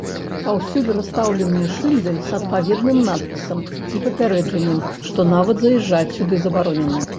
Паўсюль расстаўленыя шыльды з адпаведным надпісам і папярэджаннем, што нават заязджаць сюды забаронена.